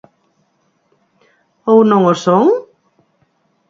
¿Ou non o son?